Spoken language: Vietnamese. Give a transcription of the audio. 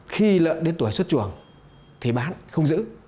khi lợn đến tuổi xuất chuồng thì bán không giữ